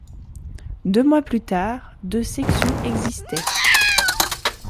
Deux mois plus tard, deux sections existaient.